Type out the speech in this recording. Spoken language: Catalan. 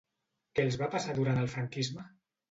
Què els va passar durant el franquisme?